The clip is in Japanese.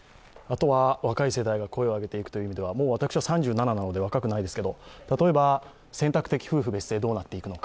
若い世代が声を上げていくという意味では、私は３７なので若くないですけれども、例えば選択的夫婦別姓どうなっていくのか